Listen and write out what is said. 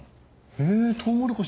へぇトウモロコシ。